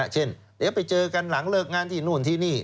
เช่นเดี๋ยวไปเจอกันหลังเลิกงานที่นู่นที่นี่